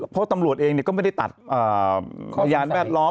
เพราะตำรวจเองก็ไม่ได้ตัดพยานแวดล้อม